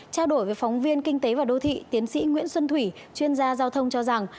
trao đổi với phóng viên kinh tế và đô thị tiến sĩ nguyễn xuân thủy chuyên gia giao thông cho rằng